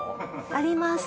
あります